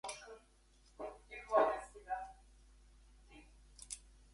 After members acquired enough Polish to hold services in that language, meetings were resumed.